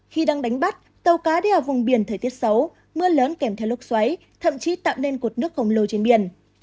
khi đang đánh bắt tàu cá đi ở vùng biển thời tiết xấu mưa lớn kèm theo lốc xoáy thậm chí tạo nên cột nước khổng lồ trên biển